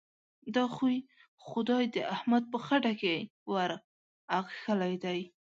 دا خوی؛ خدای د احمد په خټه کې ور اخښلی دی.